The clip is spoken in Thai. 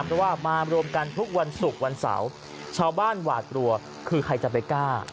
เพราะว่ามารวมกันทุกวันศุกร์วันเสาร์ชาวบ้านหวาดกลัวคือใครจะไปกล้า